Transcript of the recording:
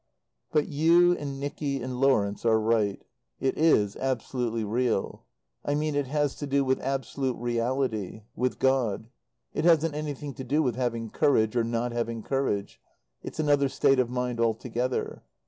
But you and Nicky and Lawrence are right. It is absolutely real. I mean it has to do with absolute reality. With God. It hasn't anything to do with having courage, or not having courage; it's another state of mind altogether.